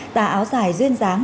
tà áo dài duyên dáng